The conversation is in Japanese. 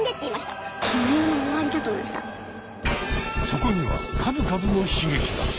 そこには数々の悲劇が。